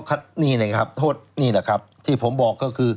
นี่แหละครับโทษนี่แหละครับที่ผมบอกก็คือ